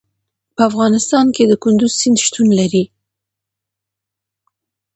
په افغانستان کې د کندز سیند شتون لري.